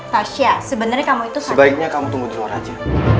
tasya sebenarnya kamu itu sebaiknya kamu tunggu di luar aja